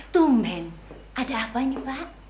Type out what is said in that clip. tumben ada apa ini pak